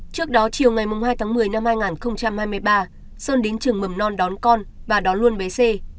trước đó chiều ngày hai tháng một mươi năm hai nghìn hai mươi ba sơn đến trường mầm non đón con và đón luôn bế c